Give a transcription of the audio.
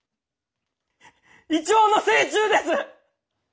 イチョウの精虫です！